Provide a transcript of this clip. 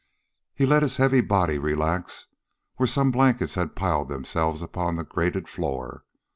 He let his heavy body relax where some blankets had piled themselves upon the grated floor.